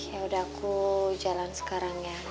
yaudah aku jalanin ya mas